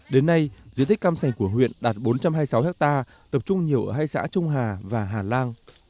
đến nay diện tích cam sành của huyện đạt bốn trăm hai mươi sáu hectare tập trung nhiều ở hai xã trung hà và hà lan